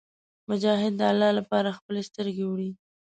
مجاهد د الله لپاره خپلې سترګې وړي.